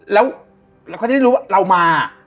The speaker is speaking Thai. แล้วเราก็จะได้รู้ว่าเรามา